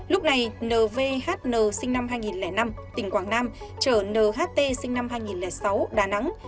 lúc này nvn sinh năm hai nghìn năm tỉnh quảng nam chở nht sinh năm hai nghìn sáu đà nẵng